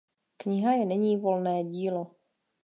Kniha je nyní volné dílo.